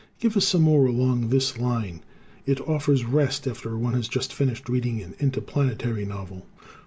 Give us some more along this line. It offers rest after one has just finished reading an interplanetary novel.